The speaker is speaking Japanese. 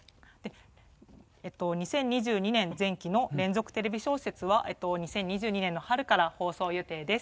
２０２２年前期の連続テレビ小説は２０２２年の春から放送予定です。